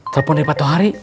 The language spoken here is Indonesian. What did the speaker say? telepon dari pak tohari